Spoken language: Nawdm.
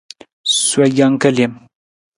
Sowa jang ka lem.